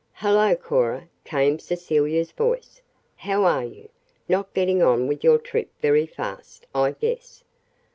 "Hello, Cora," came Cecilia's voice. "How are you? Not getting on with your trip very fast, I guess."